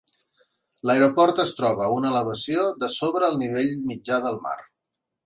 L'aeroport es troba a una elevació de sobre el nivell mitjà del mar.